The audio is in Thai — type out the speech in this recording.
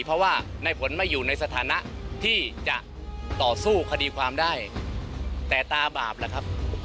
เพราะว่าในผลไม่อยู่ในสถานะที่จะต่อสู้คดีความได้แต่ตาบาปล่ะครับ